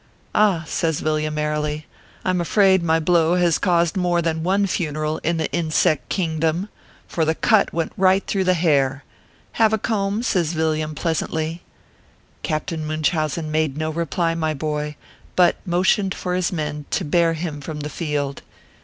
"Ah !" says Villiam, airily, "Fm afraid my blow, has caused more than one funeral in the inseck king dom, for the cut went right through the hair. Have a comb ?" says Villiam, pleasantly. Captain Munchausen made no reply, my boy, but motioned for his men to bear him from the field.